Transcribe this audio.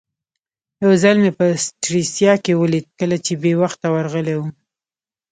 یو ځل مې په سټریسا کې ولید کله چې بې وخته ورغلی وم.